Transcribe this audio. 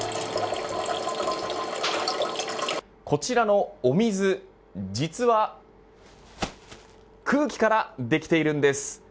こちらのお水実は空気からできているんです。